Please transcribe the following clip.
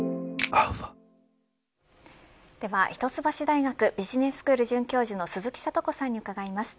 では、一橋大学ビジネススクール准教授の鈴木智子さんに伺います。